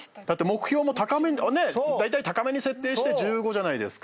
目標も高めに設定して１５じゃないですか。